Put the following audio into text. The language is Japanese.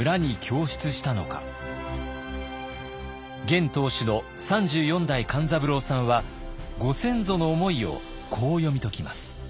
現当主の３４代勘三郎さんはご先祖の思いをこう読み解きます。